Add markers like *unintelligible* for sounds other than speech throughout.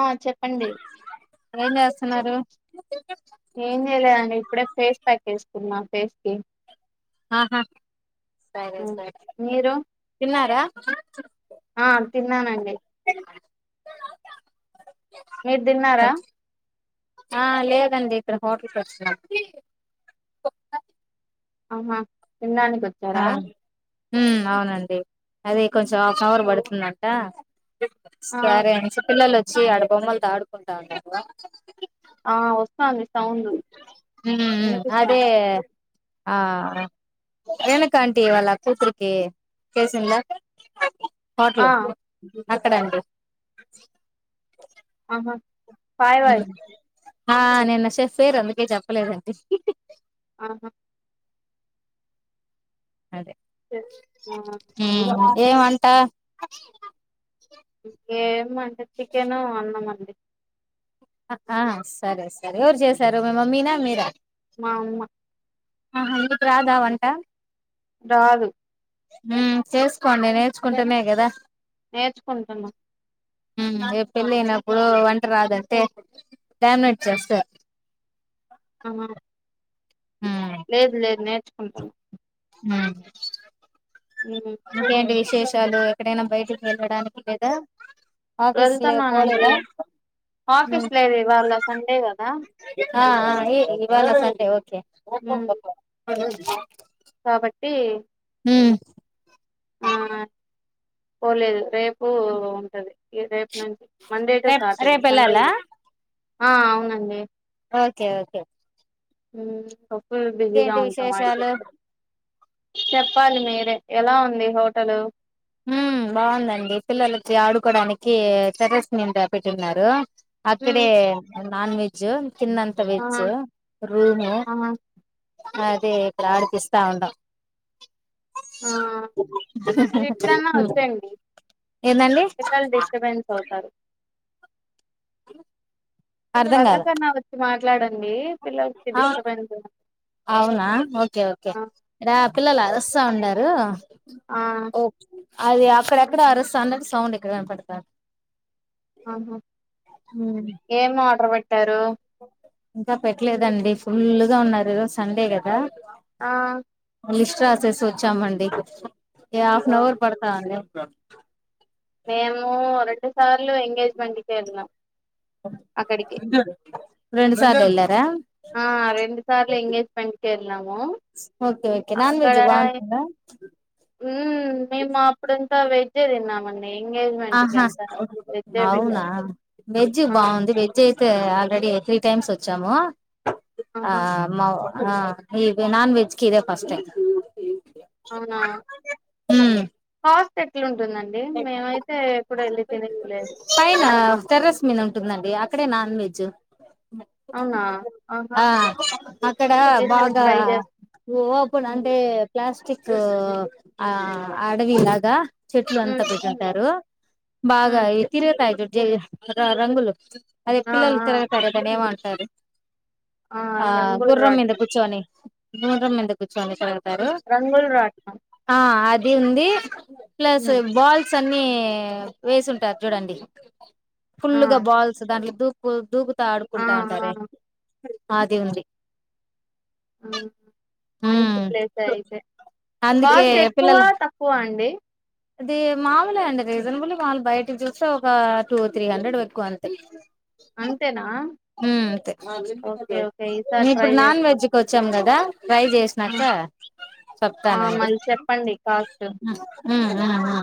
ఆ చెప్పండి ఏం చేస్తున్నారు ఏం పేస్ కి ఆహా సరే ఉమ్. సరే మీరు తిన్నారా ఆ తిన్నానండి మీరు తిన్నారా ఆ లేదండి ఇక్కడ హోటల్కి వచ్చినము ఆహా తిన్నాడనికి వచ్చారా హ్మ్ అవునండి అది కొంచెం హాఫ్ అన్ అవర్ పడుతుందట్ట ఆ సరే అండి పిల్లలు చ్చి అడబొమ్మలతో ఆడుకుంటా ఉన్నారు ఆ వ హ్మ్ అదే వినిపిస్తాంది ఆ వెకంటీ వాళ్ళ కూతురికి కేసిందా ఆ హోట్లు అక్కడండి ఆ ఫైవ్ వయిస్ ఆ నేన్న షేఫ్ఫార్ అందుకే చెప్పలేదండి ఆహా అదే సరే. ఆ, హు ఏమంట ఇంకేమ అంటే చికెన్ అన్నాం అండి ఆ సరే సరే ఎవరు చేసారు మీ మమ్మీనా మీరా మా అమ్మ ఆహా మీకు రాదా వంట. రాదు హుహ్ చేసుకొండి నేర్చుకుంటనే గదా నేర్చుకుంటున్నా. హ్ పెళ్ళి అయినప్పుడు వంట రాదంటే డామినేట్ చేస్తారు. ఆ హ లేదు లేదు నేర్చుకుంటున్నా. అ ఉమ్, ఇంకేంటి విశేషాలు ఎక్కడైనా బయటికి వెళ్ళడానికి లేదా ఆఫీస్ లో వెళ్తున్నానండి పోలేదా ఆఫీస్ హ్ లేదు ఇవాళ సండే కదా ఆ ఆ ఇవాళ సండే ఓకే. ఉమ్, కాబట్టి హ్మ్ ఆ పోలేదు రేప్ పు ఉంటది. రేపు నుంచి మండే టు రేప్ సాటర్డే సండే రేపెళ్ళాలా లేదు. ఆ అవునండి. ఓకే ఓకే హుమ్మ్ ఒ ఫుల్ బిజీగా ఇంకేంటి ఉంటాం విశేషాలు ఆడికెల్లిపోతే చెప్పాలి మీరే ఎలా ఉ ంది హోటలు హ్మ్ బాగుందండి పిల్లలకి ఆడుకోడానికి టెర్రస్ మీద పెట్టివున్నారు. అక్కడే నాన్ వెజ్ కిందంతా వెజ్ ఆహా రూము ఆహా అదే ఇక్కడ ఆడిపిస్తా ఉంటాం. ఇటన్నా వచ్చేయండి ఏందండి పిల్లలు డిస్టర్బెన్స్ అవుతారు. పక్క కన్నా వచ్చి మా ట్లాడండి అవును అవునా ఓకే ఓకే ఆ ఇడా పిల్లలు అరు స్తా ఉన్నారు. ఆ అది అక్కడెక్కడ అరస్త *unintelligible* సౌండ్ ఇక్కడ వినపడతాంది. ఆహా ఏం ఆర్డర్ పెట్టి, పెట్టారు ఇంకా పెట్టలేదండి ఫుల్గా ఉన్నారు. ఈ రోజు సండే కదా, ఆ లిస్ట్ రాసేసి వచ్చామండి, ఏ ఆఫ్ నఅవర్ ఓ- పడతాంది, *inaudible* ఏమో రెండు, సార్లు ఎంగేజ్మెంట్ కి వెళ్ళినాం అక్కడికి రెండుసార్లు ఎళ్ళారా, ఆ రెండు సార్లు ఎంగేజ్మెంట్ కె వెళ్ళాము ఓకే ఓకే నాన్ అక్కడ, వెజ్ బాగుంటుందా ఉ మేము అప్పుడంతా వెజ్ తిన్నామ అండి, ఆహా అవునా పెట్టారు వెజ్ ఆ బాగుంది వెజ్ అయితే ఆల్రెడీ, టు టైమ్స్ వచ్చాము, ఆ ఆహా మా ఆ ఇ నాన్ వెజ్ క ఇదే ఫస్ట్ టైం, అవునా ఉమ్ చెట్లు ఉంటే తినేది లేదు పైన టెర్రస్ మీద ఉంటుందండి, అక్కడే నాన్ వెజ్, అవునా ఆహా ఆ అక్కడ ఈసారి బాగా ట్రై చేస్తా ఓపన్ మ్మ్ అంటే ప్లాస్టిక్, టు ఆ అడవి లాగా చెట్, *inaudible* మ్మ్ టా రు బాగా మ్మ్ తిరుగతాయి చూడు, జై రంగులు, అదే ఆ పిల్లలు ఆ తిరుగుతారు దాన్ని ఏమంటా, సరే ఆ రంగులు గుర్రం మీద రాట్నం కూర్చుని, రూరమ్మ ఎందుకు చానా చానా, తారు రంగులు రాట్నం ఆ అది, ఇది ఉంది, ప్లస్ మ్మ్ స్ అన్ని వేసింటారు చూడండి, ఆ ఫుల్లు గా బాల్స్ దాంట్లో దూకు, కొ దుకు ఆ ఆడుకుంటా ఆ ఉంటారే, ఆది ఉంది. అవును. మంచి ఉమ్ ప్లేస్ అయితే అందుకే కాస్ట్ ఎక్కువ పిల్లల తక్కువ అండీ అది మాములే అండి రీజనబుల్ వాళ్ళు బయటికి చూస్తే ఒక టూ త్రీ హండ్రెడ్ ఎక్కువ అంతే అంతేనా హ్ అంతే ఓకే ఓకే మే ఈసారి ట్రై ఇప్పుడు నాన్ చేస్తాం వెజ్కొచ్చాం. గదా ట్రై ఆ, చేసినాక ఆ, చెప్తానండి. మళ్ళీ చెప్పండి కాస్ట్ మ్ మ్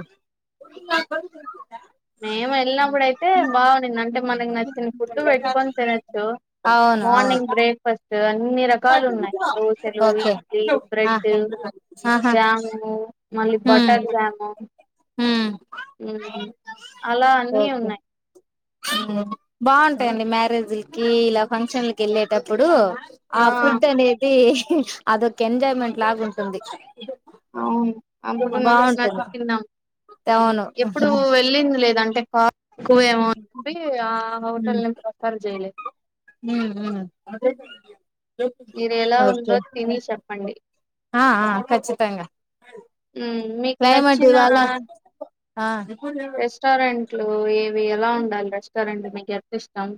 మేం ఎళ్ళినప్పుడుయితే బాగుంనింది. అంటే మనకి నచ్చిన ఫుడ్టు పెట్టుకొని తినచ్చు. అవును అవును మార్నింగ్ బ్రేక్ఫస్ట్ అన్ని రకాలు ఉన్నాయి. దోశలు, ఓకే ఇడ్లీ, ఆ బ్రెడ్, ఆహా జాము మళ్ళీ ఉమ్ బటర్ జాము. ఉమ్ అలా అన్ని ఉన్నాయి. బాగుంటయండి మ్యారేజ్ల్కి ఇలా ఫంక్షన్లకి ఎళ్ళేటప్పుడూ ఆ ఫుడ్ అనేది అదొక్ ఎంజాయ్మెంట్ లాగుంటుంది. అవును. అప్పుడు నచ్చినట్టు బాగుంటుంది తిన్నాం. అవును ఎప్పుడూ ఉమ్ వెళ్ళింది లేద్ అంటే పా ఎక్కువేమో అని చెప్పి ఆ హోటల్ నుంచి ప్రిఫర్ చేయలే. అదే మీరెలా ఉందో తిని చెప్పండి. ఆ ఆ ఖచ్చితంగా మ్ మీకు క్లైమేట్ నచ్చినా ఇవాళ ఆ రెస్టారెంట్ ఇట్లో ఏవి ఎలా ఉండాలి రెస్టారెంట్ మీకు ఎంత ఇష్టం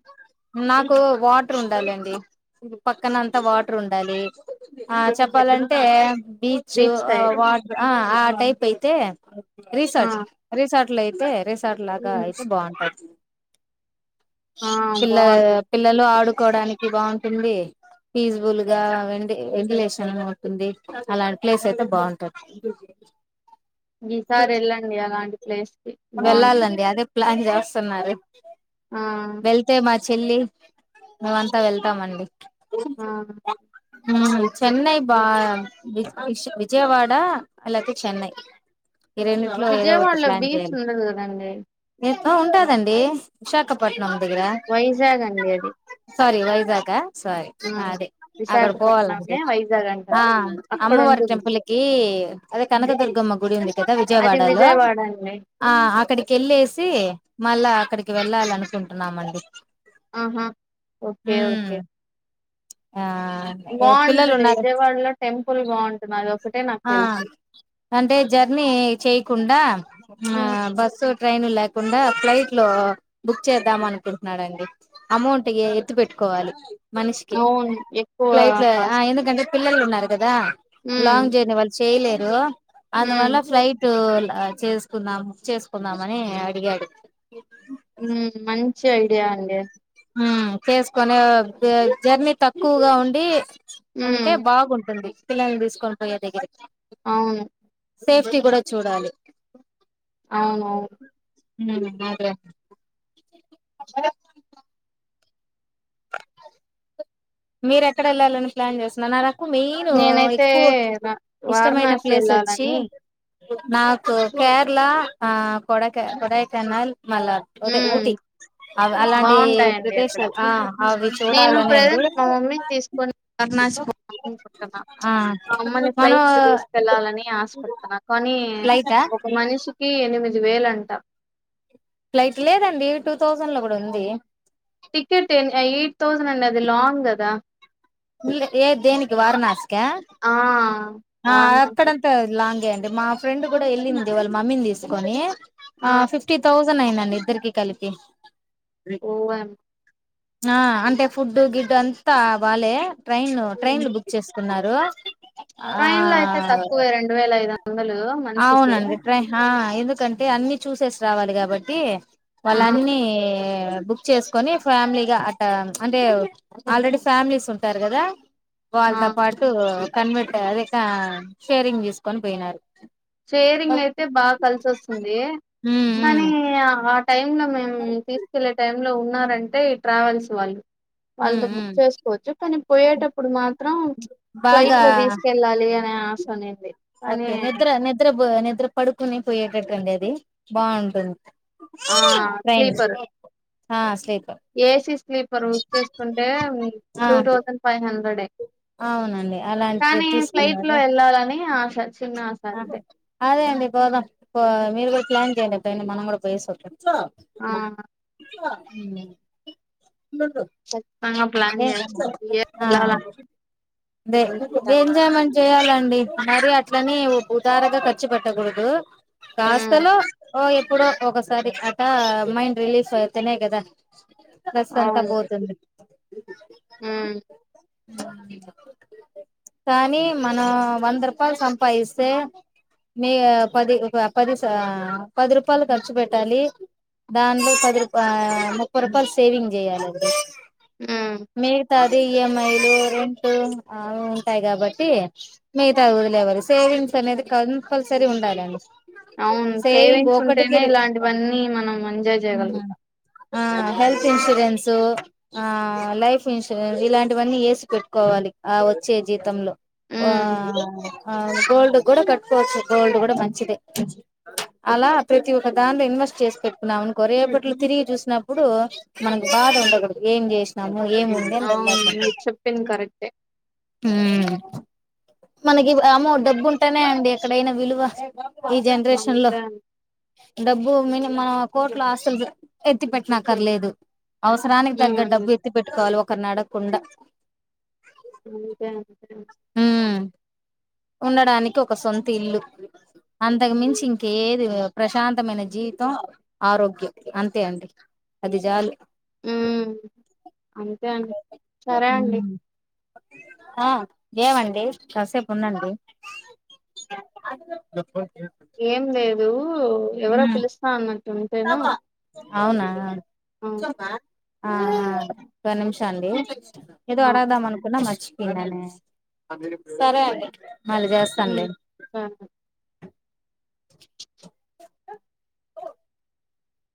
నాకు వాటర్ ఉండాలండి. పక్కన అంతా హ్మ్. వాటర్ ఉండాలీ. ఆ అయితే చెప్పాలంటే బీచ్ ఆ వాట్ ఆ ఆ టైప్ అయితే అ ఆ! రీసెర్చ్ రిసార్ట్లో అ వేరే సార్లాగా హ్మ్. అయితే బాగుంటది ఆ! ఆ బావుంటుంది. పిల్లలు ఆడుకోవడాన్ మీకి బాగుంటుంది ఫీజ్బుల్ గా వె వెంటిలేషన్ ఉంటుంది అలాంటి ప్లేస్ అయితే బాగుంటాది ఈసారి వెళ్ళండి అలాంటి ప్లేస్ కి బాగుంటుంది వెళ్ళాలండి అదే ప్లాన్ చేస్తున్నారు ఆ వెళ్తే మా చెల్లి మేమంతా వెళ్తామండి ఆ ఉమ్ చెన్నై బా వి వి విజయవాడ అలాపోతే చెన్నై ఈ రెండిట్లో ఏదో ఒకటి విజయవాడలో ప్లాన్ బీచ్ చేయాలి ఉండదు కదండి ఆ ఉంటాదండి విశాఖపట్నం దగ్గర వైజాగ్ అండి అది సారీ వైజాగ సారీ హ్మ్. అదే అక్కడ పోవాలండి విశాఖపట్నంనే వైజాగ్ ఆ అంటారు. అమ్మవారి అక్కడుంటుంది. టెంపుల్కి అదే కనకదుర్గమ్మ గుడి ఉంది కదా అది విజయవాడలో విజయవాడ అండి. ఆ అక్కడికి వెళ్ళేసి మళ్ళా అక్కడికి వెళ్ళాలి అనుకుంటున్నామండి ఆహా ఓకే ఉమ్ ఓకే ఆ పిల్లలు బాగుంటుంది ఉన్నారు విజయవాడలో టెంపుల్ బాగుంటుంది అదొక్ ఆ అంటే జర్నీ చేయకుండా ఆ హ్మ్. బస్సు ట్రైన్ లేకుండా ఫ్లైట్ లో బుక్ చేద్దాం అనుకుంటున్నారండి అమౌంట్ ఎత్తు పెట్టుకోవాలి మనిషికి అవును ఎక్కువ ఫ్లైట్ లో ఆ ఎందుకంటే పిల్లలు ఉన్నారు కదా మ్మ్ లాంగ్ జర్నీ వాళ్ళు చేయలేరు అంత వల్ల ఫ్లైట్ చేసుకుందాం చేసుకుందామని అడిగాడు. మ్మ్ మంచి ఐడియా అండి మ్మ్ చేసుకొని జర్నీ తక్కువగా ఉండి ఉమ్ ఉంటే బాగుంటుంది పిల్లలు తీసుకొనిపొయ్యే దగ్గరికి అవును సేఫ్టీ కూడా చూడాలి అవునవును ఉమ్ మీర ఎక్కడ వెళ్ళాలని ప్లాన్ చేస్తున్నన్న ఎక్కువ మెయిన్ నేనైతే ఎక్కువ పుడ్ రా ఇష్టమైన వారణాసి ప్లేస్ వచ్చి వెళ్ళాలని నాకు కేరళ ఆ కొడైక కొడైకెనాల్ మల అదే ఉమ్ ఊటీ అలాంటి బాగుంటాయండి అక్కడ ప్రదేశాలు ఆ అవి నేను చూడాలని ప్రెజెంట్ ఉంది మా మమ్మీని తీసుకొని వరుణాసి పోతున్నా ఆ మా అమ్మని మనం ఫ్లైట్ లో తీసుకెళ్ళాలని ఆశపడుతున్నా కానీ ఫ్లైటా ఒక మనిషికి ఎనిమిది ఐదు వేలు అంట ఫ్లైట్ లేదండి టూ థౌజండ్ లో కూడా ఉంది టికెట్ ఎ ఎయిట్ థౌసండ్ అండి అది లాంగ్ కదా ఇ ఏ దేనికి వారణాసి క్యా ఆ ఆ వారణాసి అక్కడంతా లాంగే అం మా ఫ్రెండ్ కూడా వెళ్ళింది వాళ్ళ మమ్మీని తీసుకొని ఆ ఫిఫ్టీ తౌజండ్ టూ నైన్ అండి ఇద్దరికి కలిపి ఓ ఆ అంటే ఫుడ్డు గిడ్డు అంతా వాలే ట్రైన్ ఉమ్ ట్రైన్లు బుక్ చేస్తా అన్నారు ట్రైన్ లో అయితే తక్కువే రెండు వేల ఐదు వందలు మనిషికి అవునండి ట్రై ఆ ఎందుకంటే అన్ని చూసేసి రావాలి కాబట్టి ఆ వాళ్ళన్నీ బుక్ చేసుకొని ఫ్యామిలీగా అట అంటే ఆల్రెడీ ఫ్యామిలీస్ ఉంట చెంటారు కదా ఆ వాళ్ళతో పాటు కనిపెట్టారు అదే షేరింగ్ తీసుకొని పోయినారు షేరింగ్ అయితే బాగా కలిసి వస్తుంది ఉమ్ ఉమ్ కానీ టైమ్ లో మేము తీసుకెళ్లే టైం లో ఉన్నారంటే ట్రావెల్స్ వాళ్ళు ఉమ్ వాళ్ళతో ఉమ్ బుక్ చేసుకోవచ్చు కానీ పోయేటప్పుడు మాత్రం ఫ్లైట్ బాగా లో తీసుకెళ్ళాలి అ ఆ సన్నడిది ఓకే నిద్ర ని నిద్ర నిద్ర పడుకుని పోయేటటువండంటి బాగుంటుంది ఆ స్లీపరు హ sleep A C sleeper book చేసుకుంటే ఆ టూ థౌజండ్ ఫైవ్ హండ్రెడ్ ఏ అవునండి అలాంటిది కానీ ఫ్లైట్ లో తీసుకున్నారు వెళ్ళాలని ఆశ. చిన్న ఆశ అంతే అదే అండి పోదాం పో మీరు కూడా ప్లాన్ చేయండి ఇయి మనం కూడా పోయి సే చ ఆ హ్మ్మ్ ఖచ్చితంగా ప్లాన్ చేస్తాను ఈ ఇయర్ హా వెళ్ళాల *unintelligible* అనుకుంటాన్నా ఎంజాయ్మెంట్ చేయాలం అండి ఇస్తున్నారు అట్లని ఉదారగా ఖర్చు పెట్టకూడదు కాస్త ఉమ్ లో ఓ ఎప్పుడో ఒకసారి అట మైండ్ రిలీఫ్ అవుతేనే కదా బస్ అంతా బోతుం మ్మ్ కానీ మనం వంద రూపాయలు సంపాదిస్ స్తే మీ పది పదిస పది రూపాయలు ఖర్చు పెట్టాలి దానిలో పది రూపా ముప్పై రూపాయలు సేవింగ్ చేయాలిండి. మ్మ్ ది ఈ ఎం ఐ లు రెంట్ ఆ ఉంటాయి కాబట్టి మీ తదులేవారు సేవింగ్స్ నేది కంపల్సరీ గా ఉండాలండి అవును సేవింగ్ సేవింగ్స్ ఒకటికి ఉంటేనే ఇలాంటివన్నీ మనం మంచి ఉమ్ జయగలుగుతా ఆ హెల్త్ ఇన్సూరెన్సు ఆ లైఫ్ ఇన్సూరెన్స్ ఇలాంటివన్నీ వేసి పెట్టుకోవాలి ఆ వచ్చే జీతంలో ఆ ఉమ్ ఆ గోల్డ్ కూడా కట్టుకోవచ్చు గోల్డ్ కూడా మంచిదే అలా ప్రతి ఒక్క దాంలో ఇన్వెస్ట్ చేసి పెట్ మను కొరేపట్లు తిరిగి చూసినప్పుడు మనకు బాధ ఉండకూడదు ఏం చేసినాం అవును మీరు చెప్పింది కరెక్టే హ్మ్మ్ మనకి అమో డబ్బు ఉంటానే అండి ఎక్కడైనా విలువ ఈ జనరేషన్ లో అంతే అండి. డబ్బు మని మా కోర్టులో ఆస్లు ఎత్తి పెట్టినాక్కర్లేదు అవసరానికి తగ్గ ఉమ్ డబ్బుత్తి పెట్టుకోవాల ఒక కర్ణాడ కొండ ఒకే అండి ఉమ్ ఉండడానికి ఒక సొంత ఇల్లు అంతకుమించి ఉమ్ ఇంకేది ప్రశాంతమైన జీవితం ఆరోగ్యం అంతే అండి అది చాలు ఉమ్మ్ అంతే అండి సరే అండి ఆ ఏవండీ కాసేమ్ *inaudible* ఉందండి ఏం లేదు కు ఎవరో పిలుస్తా అన్న అంతేనా *inaudible* అవునా చోమా *inaudible* ఆ ఒక నిమిష అండి ఏదో ఆ అడగదం అనుకున్నా మార్చి సరే అండి మళ్ళ ఉమ్ వస్తానులే సరే ఓ